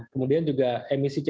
kemudian juga emisi co dua